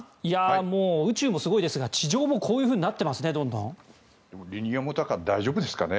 もう宇宙もすごいですが地上もこういうふうにどんどんなっていますね。